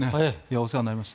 お世話になりました。